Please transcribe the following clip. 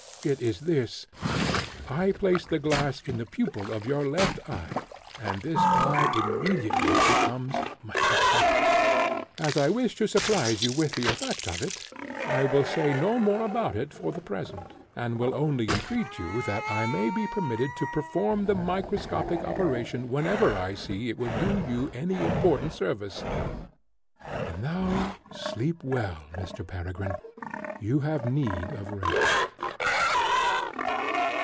It is this: I place the glass in the pupil of your left eye, and this eye immediately becomes microscopic. As I wish to surprise you with the effect of it, I will say no more about it for the present, and will only entreat that I may be permitted to perform the microscopic operation whenever I see that it will do you any important service. And now sleep well, Mr. Peregrine; you have need of rest."